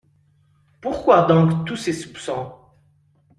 Pourquoi donc tous ces soupçons ?